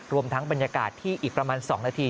รวมทั้งบรรยากาศที่อีกประมาณ๒นาที